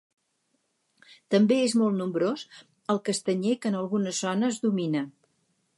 També és molt nombrós el castanyer que en algunes zones domina.